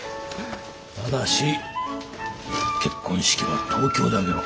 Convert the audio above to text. ただし結婚式は東京で挙げろ。